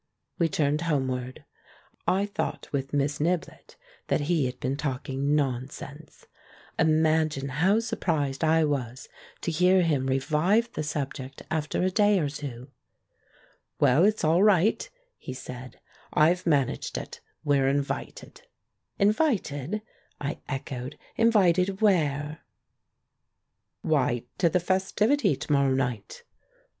We turned homeward. I thought with Miss Niblett that he had been talk ing nonsense. Imagine how surprised I was to hear him revive the subject after a day or two. "Well, it's all right," he said; "I've managed it. We're invited." "Invited?" I echoed. "Invited where?" 214 THE MAN WHO UNDERSTOOD WOMEN "Why, to the festivity to morrow night."